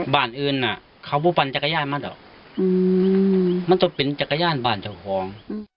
บ้านอื่นน่ะเขาไม่เป็นจักรยานมากหรอกมันต้องเป็นจักรยานบ้านของ